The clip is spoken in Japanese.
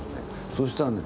そうしたらね